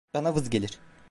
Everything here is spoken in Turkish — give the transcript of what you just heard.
Bana vız gelir…